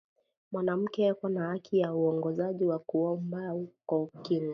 Mwanamuke eko na haki ya uwongozaji ya ku omba ao ku kinga